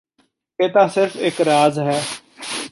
ਇਹ ਤਾਂ ਸਿਰਫ਼ ਇਕ ਰਾਜ਼ ਹੈ